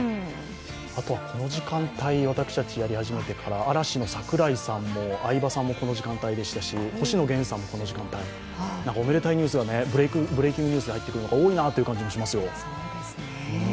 この時間帯、私たちやり始めてから嵐の櫻井さんも相葉さんもこの時間帯でしたし、星野源さんも、この時間帯おめでたいニュースがブレーキングニュースで入ってくるのが多いなと思いますよ。